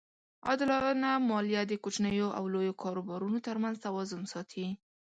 عادلانه مالیه د کوچنیو او لویو کاروبارونو ترمنځ توازن ساتي.